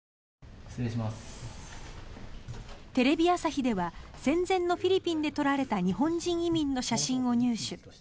テレビ朝日では戦前のフィリピンで撮られた日本人移民の写真を入手。